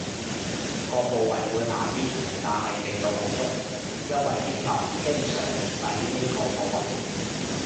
個部位會硬啲，但係味道好足，因爲啲牛經常使呢個部位